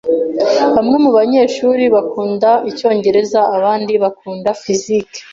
Bamwe mubanyeshuri bakunda icyongereza, abandi bakunda physics.